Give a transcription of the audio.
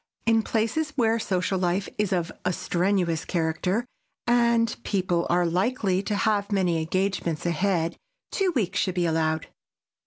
In places where social life is of a strenuous character and people are likely to have many engagements ahead, two weeks should be allowed.